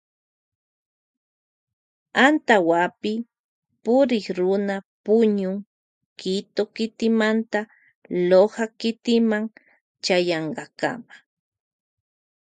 Antawapi purikruna puñun Quito kitimanta Loja kitima chayankakama.